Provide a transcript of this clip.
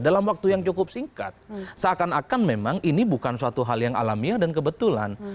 dalam waktu yang cukup singkat seakan akan memang ini bukan suatu hal yang alamiah dan kebetulan